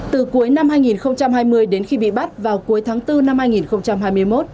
từ cuối năm hai nghìn hai mươi đến khi bị bắt vào cuối tháng bốn năm hai nghìn hai mươi một